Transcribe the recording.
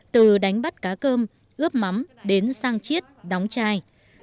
từ đánh bắt cá cơm ướp mắm đến sang chiết đóng chai